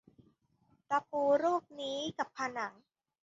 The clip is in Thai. ตะปูรูปนี้กับผนัง